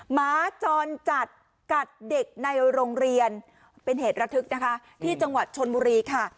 หมาจรจัดกัดเด็กในโรงเรียนเป็นเหตุระทึกนะคะที่จังหวัดชนบุรีค่ะ